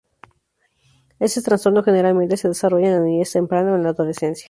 Este trastorno generalmente se desarrolla en la niñez temprana o en la adolescencia.